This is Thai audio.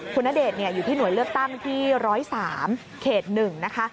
คุณณเดชน์อยู่ที่หน่วยเลือกตั้งที่๑๐๓เขต๑นะคะ